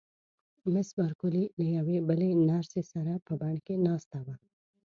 مس بارکلي له یوې بلې نرسې سره په بڼ کې ناسته وه.